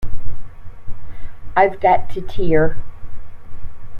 I've got to tear.